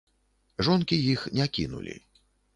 Жонкі іх не кінулі.